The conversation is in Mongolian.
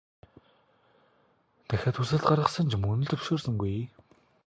Дахиад хүсэлт гаргасан ч мөн л зөвшөөрсөнгүй.